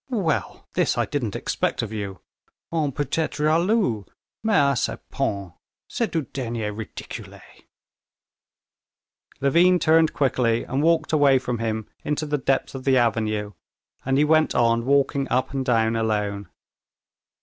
"Well, this I didn't expect of you! On peut être jaloux, mais à ce point, c'est du dernier ridicule!" Levin turned quickly, and walked away from him into the depths of the avenue, and he went on walking up and down alone.